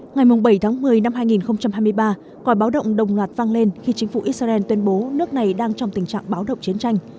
ngày bảy tháng một mươi năm hai nghìn hai mươi ba quả báo động đồng loạt vang lên khi chính phủ israel tuyên bố nước này đang trong tình trạng báo động chiến tranh